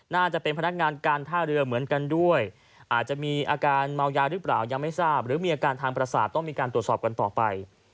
น่าจะเป็นพนักงานการท่าเรือเหมือนกันด้วยอาจจะมีอาการเมายาหรือเปล่ายังไม่ทราบหรือมีอาการทางประสาทต้องมีการตรวจสอบกันต่อไป